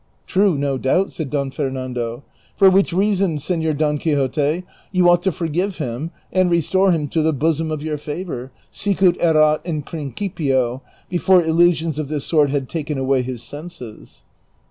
" True, no doubt," said Don Fernando, " for which reason, Seiior Don Quixote, you ought to forgive him and restore him to the bosom of your favor, sicut erat in principio, before illu sions of this sort had taken away his senses."